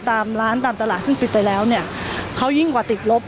ตามร้านตามตลาดซึ่งปิดไปแล้วเนี่ยเขายิ่งกว่าติดลบ